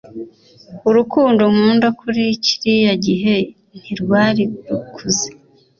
urukundo nkunda kuri kiriya gihe ntirwari rukuze